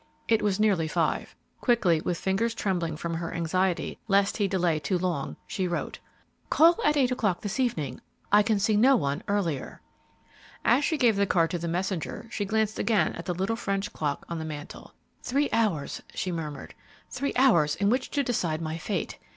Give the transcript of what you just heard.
It was nearly five. Quickly, with fingers trembling from her anxiety lest he delay too long, she wrote, "Call at eight o'clock this evening; I can see no one earlier." As she gave the card to the messenger, she glanced again at the little French clock on the mantel. "Three hours," she murmured; "three hours in which to decide my fate!